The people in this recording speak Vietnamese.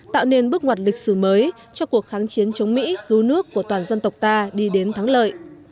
tạo nên bước ngoặt lịch sử mới cho cuộc kháng chiến chống mỹ cứu nước của toàn dân tộc ta đi đến thắng lợi